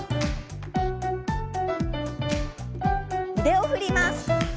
腕を振ります。